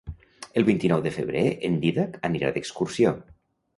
El vint-i-nou de febrer en Dídac anirà d'excursió.